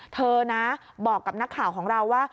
เธอนะบอกกับนักข่าวของเราว่า